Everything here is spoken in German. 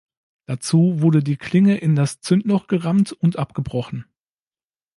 Dazu wurde die Klinge in das Zündloch gerammt und abgebrochen.